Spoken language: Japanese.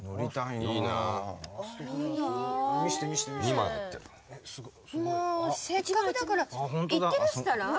まあせっかくだから行ってらしたら？